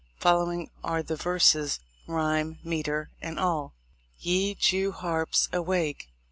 Following are the verses, rhyme, metre, and all : Ye Jew's harps awake